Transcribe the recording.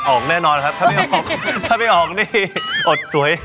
ออกแน่นอนครับถ้าไม่ออกถ้าไม่ออกนี่อดสวย